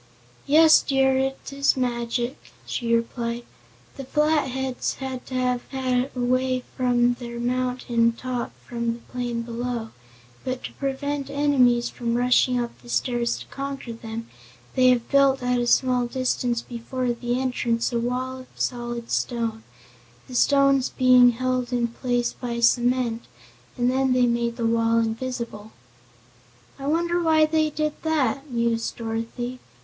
"Yes, dear, it is magic," she replied. "The Flatheads had to have a way from their mountain top from the plain below, but to prevent enemies from rushing up the stairs to conquer them, they have built, at a small distance before the entrance a wall of solid stone, the stones being held in place by cement, and then they made the wall invisible." "I wonder why they did that?" mused Dorothy.